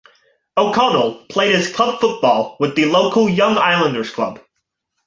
O'Connell played his club football with the local Young Islanders club.